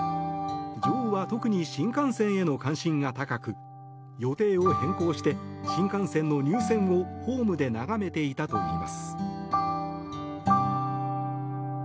女王は特に新幹線への関心が高く予定を変更して新幹線の入線をホームで眺めていたといいます。